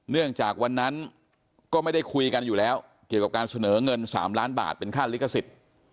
จากวันนั้นก็ไม่ได้คุยกันอยู่แล้วเกี่ยวกับการเสนอเงิน๓ล้านบาทเป็นค่าลิขสิทธิ์